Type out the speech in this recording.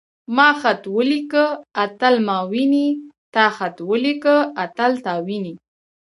ما خط وليکه. اتل ما ويني.تا خط وليکه. اتل تا ويني.